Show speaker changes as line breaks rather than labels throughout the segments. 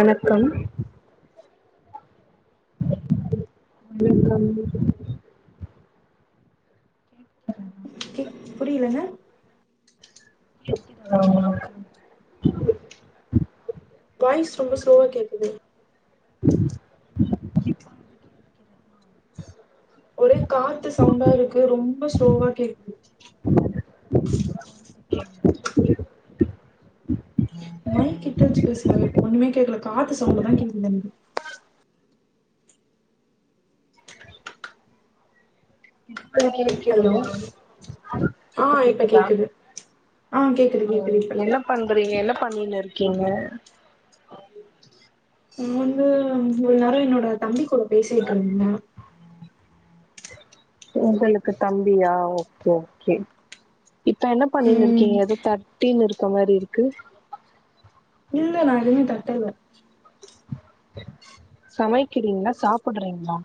வணக்கம் [unintelligible] கேட்டுக்கறேன்
[inaudible] புரியலங்க
ஆமா
வாய்ஸ் ரொம்ப ஸ்லோவா கேக்குது
[unintelligible]
ஒரே காத்து சவுண்டா இருக்கு ரொம்ப ஸ்லோவா கேக்குது
[inaudible]
வாய் கிட்ட வச்சு பேசுங்க ஒண்ணுமே கேட்கல காத்து சவுண்டு தான் கேக்குதுஎனக்கு
கே
ஹலோ ஆ
இப்ப கேக்குதாஹ
கேக்குது ஆ கேக்குது கேக்குது இப்ப
என்ன பண்றிங்க என்ன பண்ணிண்ணு இருக்கீங்க
நான வந்து ஒரு நேரம் என்னோட தம்பி கூட பேசிகிட்டு இருந்தேன்
உங்களுக்கு தம்பியா ஓகே ஓகே இப்ப என்ன பண்ணினு
ம்
இருக்கீங்க எதோ தட்டின்னு இருக்க மாரி இருக்கு
இல்லைநான் எதுவுமே தட்டல
சமைக்கிறீங்களா சாப்புறீங்களா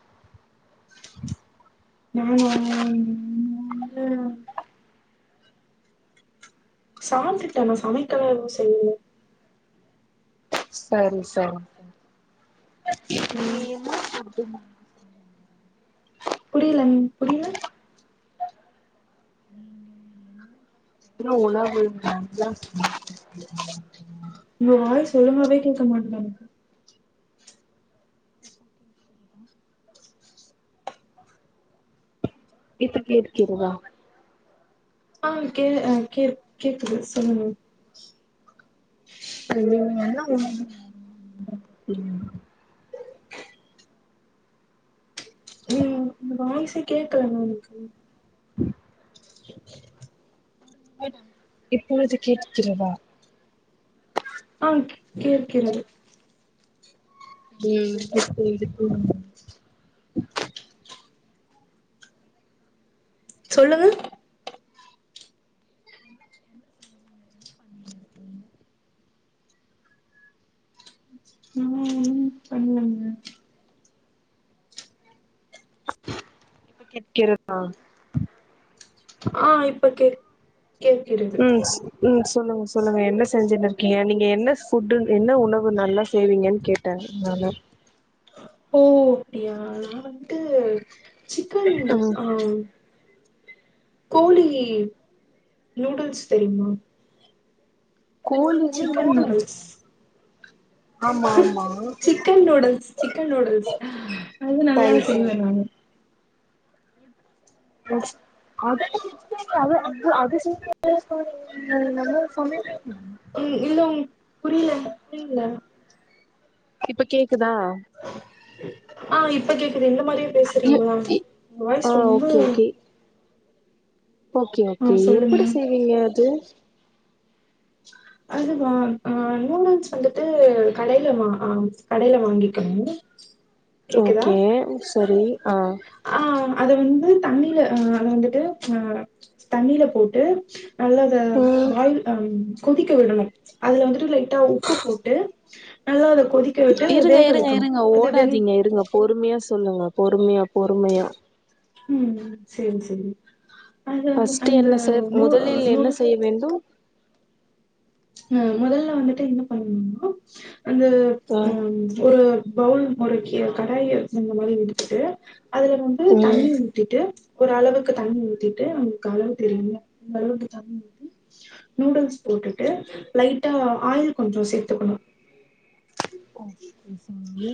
நானா வந்து சாப்டுடேன் சமைக்கல்லாம் எதுவும் செய்யல
செரி செரி
ம்
[inaudible]
புரியல நீ புரியல
[inaudible]
உம் வாய் ஸ்லோவாவேகேட்க மாட்டுனக்கு
இதுக்கு இருக்கிங்ளா
ஆஹ் கே அஹ் கே கேக்குது சொல்லுங்க
[inaudible] [inaudible]
வாய்சே கேட்கல மேம் எனக்கு
[unintelligible]
[inaudible]
இப்பொழுது கேட்டுக்கிறதா
ஆங் கேக் கேட்கிறது
ம் இப்ப வந்துட்டு
சொல்லுங்க உம் பண்ணலாங்க
இப்ப கேடக்கிறா
ஆ இப்ப கே கேட்கிறது
ம் ஸ் ம் ஸ் சொல்லுங்க சொல்லுங்க என்ன செஞ்சுன்னு இருக்கீங்க நீங்க என்ன புட்என்ன உணவு நல்லா செய்வீங்கன்னு கேட்டேன் நானு
ஓ அப்டியா நான வந்டு சிக்கன்
ம்
ஆ கோழி நூடுல்ஸ் தெரியுமா
கோழி noodles
chicken noodles chicken noodles அது நல்லா
சரி சரி
செய்வேன் நானு
அது அது அ அது [unintelligible]
உம் இல்ல உ புரியல புரியல
இப்ப கேக்குதா
ஆஹ் இப்ப கே இது இந்த மாதிரியே பேசுறீங்கள வாய்ஸ்
ஆ
ரொம்ப
ஓகே ஓகே ஓகே
ஆ
ஓகே
சொல்லுங்க
எப்படி செய்வீங்க அது
அதுவான் அஹ் நூடுல்ஸ் வந்துட்டு கடையில வாஹ் கடையில வாங்கிக்கணும்
ஓகே சரி ஆஹ்
ஆ அத வந்து தண்ணில அஹ் அதை வந்துட்டு ஆஹ் தண்ணில போட்டு நல்லத
ம்
பாயில் ஆஹ் கொதிக்க விடணும் அதுல வந்துடு லைட்டா உப்பு போட்டு நல்லா கொதிக்க விட்டு
இருங்க
வேக
இருங்க
வைக்கணு
இருங்க
அது வெந்
ஓடாதீங்க இருங்க பொறுமையா சொல்லுங்க பொறுமையா பொறுமையா
உம் சரி சரி
பஸ்ட் என்ன செய்ய முதலில் என்ன செய்ய வேண்டும்
அஹ் முதல்ல வந்துட்டு என்ன பண்ணணும்மா அந்த
அ
உம் ஒரு பவுல் முறுக்கிய கடாய இந்த மாதிரி எடுக்கிட்டு அதுல வந்து
ம்
தண்ணி ஊத்திட்டு ஒரு அளவுக்கு தண்ணி ஊத்திட்டு அவங்களுக்கு அளவு தெரியாங்க அந்த அளவுக்கு தண்ணி ஊத்தி நூடுல்ஸ் போட்டு ட்டு லைட்டா ஆயில் கொஞ்சம் சேத்துக்கணும்
ஓகே சங்கி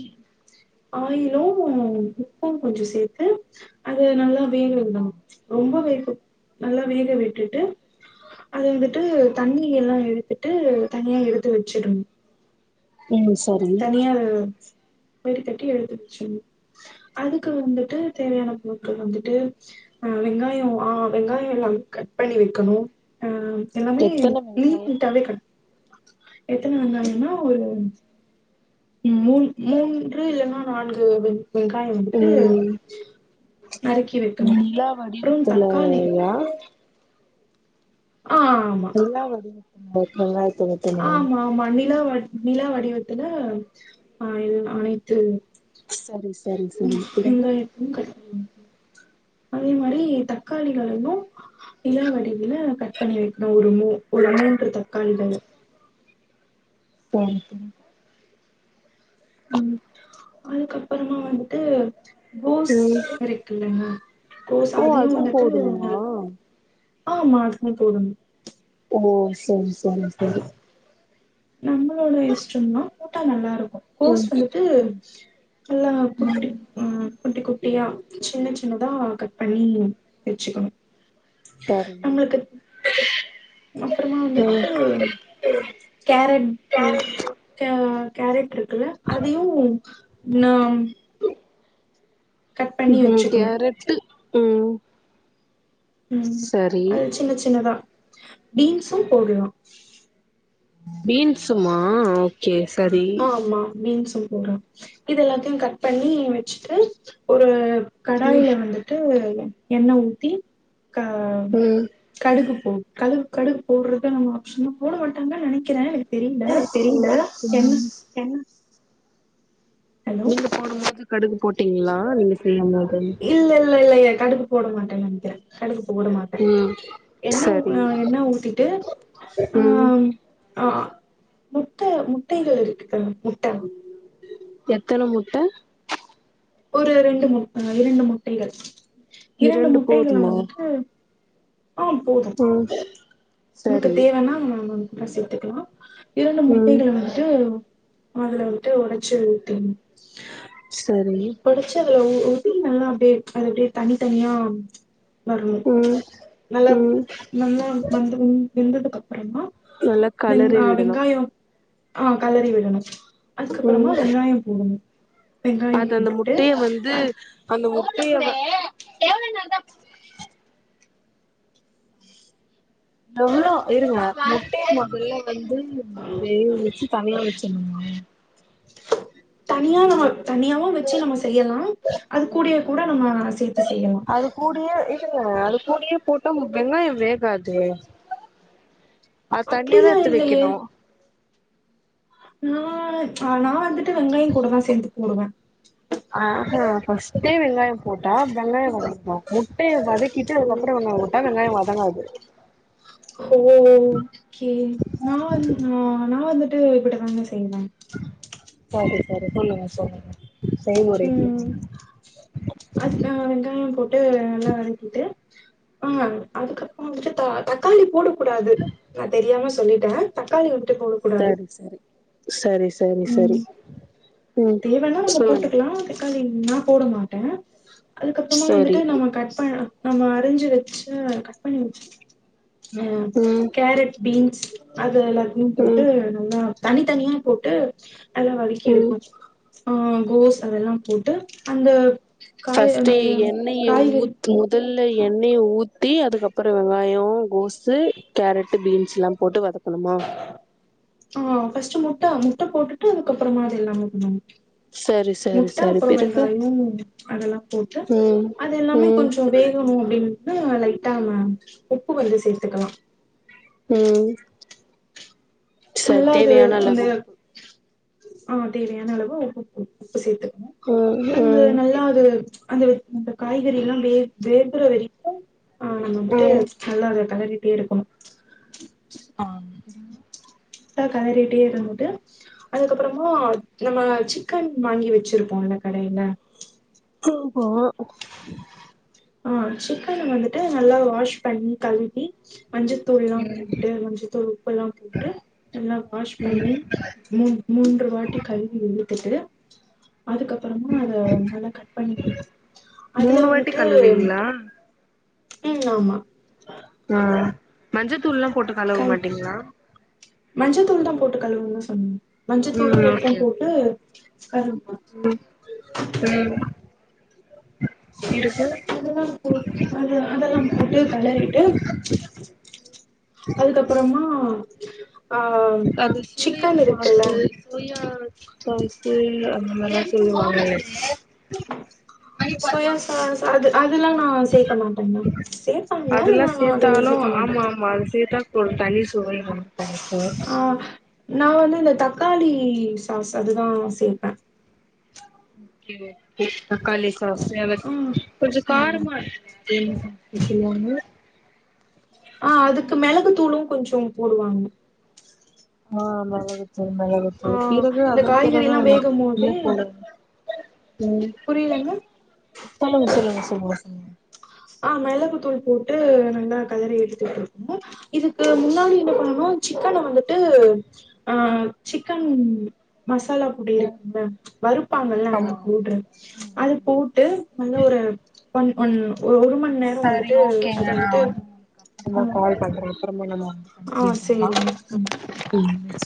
ஆயிலும் உப்பும் கொஞ்சம் சேர்த்து அது நல்லா வேகவுடன்னும் ரொம்ப வே நல்லா வேக விட்டுட்டு அது வந்துட்டு தண்ணி எல்லாம் எடுத்துட்டு தணியா எடுத்து வச்சிடணும்
ம் சரி
வடிகட்டி எடுத்து வச்சர்ணும் அதுக்கு வந்துட்டு தேவையான பொருட்கள் வந்துட்டு அஹ் வெங்காயம் ஆஹ் வெங்காயம் எல்லாம் கட் பண்ணி வைக்கணும் அஹ் எல்லாமே
எத்தன வெங்காயம்
நீட்நீட்டாவே கிடக்கும் எத்தனை வெங்காயன ஒரு மூணு மூன்று இல்லன்னா நான்கு அ வெங்காயம் வந்துட்டு
ம்
நறிக்கி வைக்கணும்
நிலா
அப்புறம் தக்காளி
வடிவத்துலயா
ஆ ஆமா
எல்ல அவர் ஆ எல்லார்
ஆமா ஆமா நிலவ் நிலா வடிவத்துல ஆஹ் அனைத்து
சரி சரி
உம்
சரி
இங்க
பிறகு
எப்டியும் அதே மாதிரி தக்காளிகளையும் நிலா வடிவில கட் பண்ணி வைக்கணும் ஒரு ம ஒரு மூன்று தக்காளிகள்
சரி
உம் அதுக்கப்புறமா வந்துட்டு கோஸ்
ம்
இருக்குல்லங்க கோஸ்
ஓ
அதையு
அதுவும் போடனுமா
ஆமானு நீ போடும்
ஓ சரி வேனும் சரி
நம்மளோட இஷ்டம்தான் போட்ட நல்லா இருக்கும் கோர்ஸ்
ம்
வந்துட்டு நல்லா குட்டி உம் குட்டி குட்டியா சின்ன சின்னதா கட் பண்ணி வச்சுக்கணும்
சரி
அப்புறமா வந்துட்டு கேரட் கேரட் கேரக்ட் இரு அதையும் நாம்
உம் கேரட் உம்
உம் அது சின்ன சின்னதா பீன்ஸ்சும் போடலாம்
பீன்ஸ்மா
ஆ ஆமா பீஸ் போடுற இது எல்லாத்தையும் கட் பண்ணி வச்சுட்டு ஒரு
ம்
கடாயில வந்துட்டு எண்ண உத்தி கா
ம்
கடுகு கடு கடுகு போடுறது நம சும்மா போட வேண்டானுதான் நினைக்கிறேன்
ஆ தெரியுதா உஹம் உஹ
ஹலோ
நீங்க போடும் போது கடுகு போட்டீங்களா நீங்க செய்யும் போது
இல்ல இல்ல இல்ல எ கடுப் போட மாட்டன்னு நெனைக்கிறே ஓட மாட்டே
ம்
என்ன
சரி
ஆ என்ன ஊட்டிட்டு ஆ
ம்
அ அ முட்டை முட்டைகள் இருக்குக்கா முட்டை
எத்தன முட்ட
ஒரு ரெண்டு முட்டை இரண்டு முட்டைகள் இரண்டு முட்டைகளை வந்துட்டு ஆஹ போது
ம்
உனக்கு
சரி
தேவன்னா வேண்ணா அத சேத்துக்கலா இரண்டு
ம்
முட்டைகளை வந்துட்டு அதுல முட்ட உடைச்சு ஊத்தனும்
சரி
ஆ ஊ ஊத்தி நல்லா அப்டியே அது அப்டியே தனி தனியா வரும்
ம்
நல்லா
ம்
நல்லா வெந்துரு வெந்ததுக்கு அப்
நல்லா களறி விடணு
ஆ கெளறி விடணு
ம்
அதுக்கப்பறமா வெங்காயோ போடணு வெங்காயம்
அது அந்த முட்டைய வந்து அந்த முட் முட்டைய வந் எவ்ளோ இருங்க முட்டைய நா பிரியாணி வந்து வெக வச்சு தனியா வச்சு உம்
தனியாவு தனியாவு வச்சு நம்ம செய்யலா அது கூடயே கூட நம்ம சேத்து செய்யலா
அது கூடயே இது அது கூடயே போட்டா உனக்கு வெங்காயோ வேகாதே அத தனியாதா
அப்டிலா
எடுத்து
இல்லயே
வைக்கணு
ஆ ஆ நா வந்து ட்டு வெங்காயோ கூடதா சேந்து போடுவே
ஃபஸ்டேட் வெங்காயோ போட்டா வெங்காயோ வதங்கு ஓ முட்ட
ஓ ஓ ஓகே நா வந்து நா நா வந்து தேவைப்படுறாங்க [inaudible]
செரி செரி சொல்லுங்க சொல்லுங்க செய்முறை
ம்
சொல்லுங்க
அதுக்க வெங்காயம் போட்டு நல்லா வடக்கிட்டு ஆ அதுக்கப்பறம் வந்துட்டு தக்காளி போடும் கூடாது நான தெரியாம சொல்லி ஆ தக்காளி உடு
செரி செரி செரி செரி
ம் தேவன்னா நம்ம போட்டுக்கலாம் தக்காளி என்னா போட மாட்டேன் அதுக்கப்பறமா வந்துட்டு
சரி
நம்ம கட்ப்பன்னா நாம அரிஞ்சு வச்சு கட் பண்ணி அ
ம்
கேரட் பீன்ஸ் அ எல்லாத்தையும் போட்டு
ம்
நல்லா தனி தனியா போட்டு அல்லா வதக்கி
ம்
இருக்கும் ஆ கோஸ் அதெல்லாம் போட்டு அந்த காய்
பஸ்ட்
அந்த
எண்ணெய்
காய்கறி
ஊத் முதல் பஸ்ட் எண்ணெய் ஊத்தி அதுக்கப்பறம் வெங்காயம் கோசு கேரட்டு் பீன்ஸ் யெல்லாம் போட்டு வதக்கணுமா
ஆ ஃபர்ஸ்ட் முட்ட முட்ட போட்டுட்டு அதுக்கப்பறமா அது எல்லாமே பண்ணும்
சரி சரி சரி
முட்டைஅப்புறம்
பிறகு
வெங்காயம் அதெல்லாம் போட்டு
ம்
அது எல்லாமே
ம்
கொஞ்சம் வேகணும் அப்டின்னு ம் லைட்டா மேம் உப்பு கொஞ்சம் சேர்த்துக்கலாம்
ம் சரி
நல்லாது
தேவையான அளவு உப்பு
அந் ஆ தேவயான அளவு உப்புப்பு உப்பு சேர்த்து அந்த
ம்
நல்லாது அந்த அந்த காய்கறி எல்லாம் வே வேகுர வரைக்கும் ஆ நம்ம வந்துட்டு
ம்
நல்லா கலறி இப்பட இருக்கணும்
ஆ [inaudible]
கலரிகிட்டே இருக்கு போது அதுக்கப்பறமா நம்ம சிக்கன் வாங்கி வெச்சிருப்போம்ல கடயில
[inaudible]
ஆ சிக்கன் வந்துட்டு நல்லா வாஷ் பண்ணி கழுவி மஞ்சத்தூள்லாம் போட்டு மஞ்சத்தூள் உப்பெல்லாம் போட்டு நல்லா வாஷ் பண்ணி மூன்று வாட்டி கழுவி ஊத்திட்டு ச அதுக்கப்பறமா அத நல்லா கட் பண்ணிந்துச்சு அதுல வந்து
கழுவிங்களா
உம் ஆமா
ஆ மஞ்சதூள்
கல் மஞ்சள்த்தூள் தான் போட்டு கழுவனும் ம்
ம்
மஞ்சத்தூளும்
ஓகே
உப்பும்
ஓகே
போட்டு கழுவனும்
ம் பிறகு
அதெல்லாம் போட்டு கலரிட்டு அதுக்கப்பறமா [unintelligible]
அது சோயா சாசு சோயா [inaudible] சொல்லுவாங்கல்ல
சோயாசாஸ் அது அதெல்லாம் நான சேர்க்க மாட்டேன்ங்க சேர்பாங்க
அதெல்லா
நான அது
சேத்தாலு
சேர்க்க மாட்டேன்
ஆமா ஆமா அது சேத்தா ஒரு தனி சுவைும் ஆ
நான வந்து இந்த தக்காளி சாஸ் அதுதான் சேர்ப்பேன்
தாக்காளி சாஸ் சமையல்
ஆ
கொஞ்சம்
ஆ
காரமா இருக்குல்ல
ஆ அதுக்கு மிளகு தூளும் கொஞ்சம் போடுவாங்க
ஆ [inaudible]
ஆ
மேலத்துது பீரகு
இந்த
அதுன் பீரகு
காய்கறில்லா
என்
வேகும்
இ
போது
போ
புரியலங்க
சொல்லுங்க சொல்லுங்க சொல்லுங்க சொல்லுங்க
ஆ மிளகுத்தூள் போட்டு நல்லா கதறி எடுத்துட்டு இருக்கோம் இதுக்கு முன்னாடி என்ன பண்ணனும் சிக்கனை வந்துட்டு அ சிக்கன் மசாலா பொடி இருக்குங்க வறுப்பாங்கல்லாம் அந்த போடுறன் அது போட்டு நல்லா ஒரு ஒன் ஒன்னு ஒரு ஒரு மணி நேரம் வந்துட்டு அது வந்துட்டு
நான்
ம்
கால் பண்றேன் அப்பறம் நாம
ஆ செரி
ம்